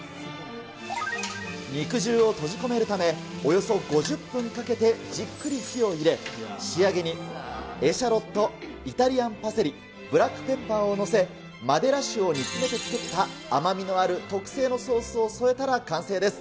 肉汁を閉じ込めるため、およそ５０分かけて、じっくり火を入れ、仕上げにエシャロット、イタリアンパセリ、ブラックペッパーを載せ、マデラ酒を煮詰めて作った甘みのある特製のソースを添えたら完成です。